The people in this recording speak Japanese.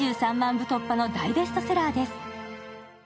部突破の大ベストセラーです。